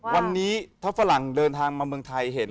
วันนี้ถ้าฝรั่งเดินทางมาเมืองไทยเห็น